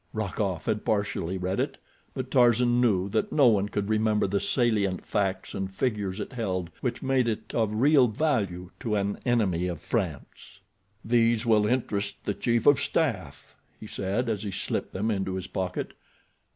Rokoff had partially read it, but Tarzan knew that no one could remember the salient facts and figures it held which made it of real value to an enemy of France. "These will interest the chief of staff," he said, as he slipped them into his pocket.